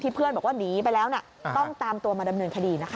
เพื่อนบอกว่าหนีไปแล้วต้องตามตัวมาดำเนินคดีนะคะ